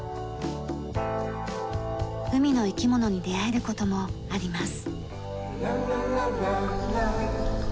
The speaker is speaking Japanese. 海の生き物に出会える事もあります。